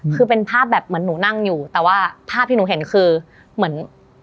คือเป็นภาพแบบเหมือนหนูนั่งอยู่แต่ว่าภาพที่หนูเห็นคือเหมือน